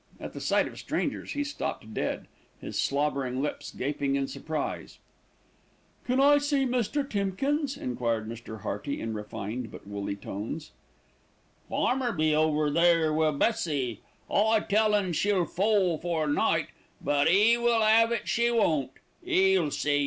At the sight of strangers, he stopped dead, his slobbering lips gaping in surprise. "Can I see Mr. Timkins?" enquired Mr. Hearty, in refined but woolly tones. "Farmer be over there wi' Bessie. I tell un she'll foal' fore night; but 'e will 'ave it she won't. 'E'll see.